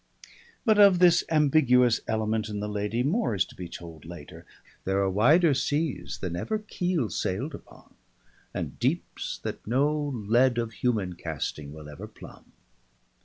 But of this ambiguous element in the lady, more is to be told later. There are wider seas than ever keel sailed upon, and deeps that no lead of human casting will ever plumb.